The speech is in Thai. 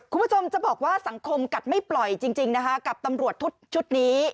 คุณผู้ชมจะบอกว่าสังคมกัดไม่ปล่อยจริงนะคะกับตำรวจชุดนี้